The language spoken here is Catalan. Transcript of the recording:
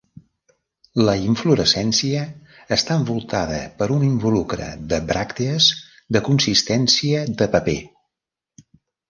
La inflorescència està envoltada per un involucre de bràctees de consistència de paper.